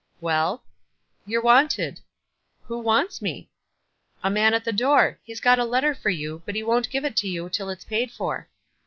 " Well." "You're wanted." "Who wants me?" "A man at the door. He's got a letter for you ; but he won't give it to you till it's paid for."